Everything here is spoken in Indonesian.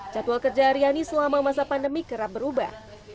jadwal kerja aryani selama masa pandemi kerap berubah